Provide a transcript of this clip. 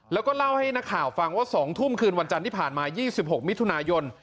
แล้วก็เล่าให้นักข่าวฟังว่า๒ทุ่มคืนวันจันทร์ที่ผ่านมา๒๖มิถุนายน